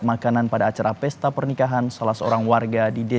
bab nya cair kayak gitu